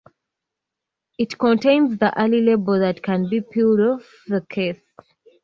It contains the early label that can be peeled off the case.